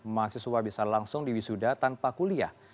mahasiswa bisa langsung di wisuda tanpa kuliah